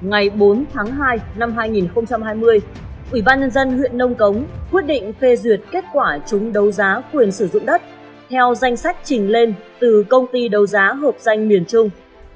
ngày bốn tháng hai năm hai nghìn hai mươi ủy ban nhân dân huyện nông cống quyết định phê duyệt kết quả chúng đấu giá quyền sử dụng đất theo danh sách trình lên từ công ty đấu giá hợp danh miền trung